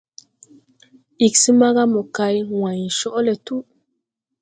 Ig smaga mokay way coʼ le tu.